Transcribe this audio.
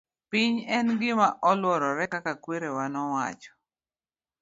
piny en gima olworore kaka kwerewa nowacho